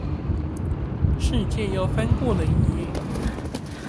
世界又翻過了一頁